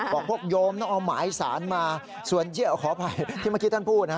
บอกพวกโยมต้องเอาหมายสารมาส่วนเยี่ยวขออภัยที่เมื่อกี้ท่านพูด